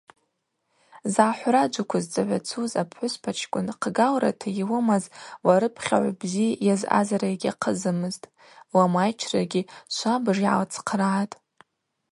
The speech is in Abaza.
Згӏахӏвра джвыквызцӏагӏвацуз апхӏвыспачкӏвын хъгалрата йлымаз ларыпхьагӏв бзи йъазара йгьахъазымызтӏ, ламайчрагьи швабыж йгӏалцхърагӏатӏ.